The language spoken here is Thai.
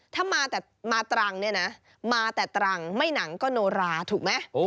ถ้ามาแต่มาตรังเนี่ยนะมาแต่ตรังไม่หนังก็โนราถูกไหม